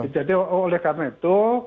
jadi oleh karena itu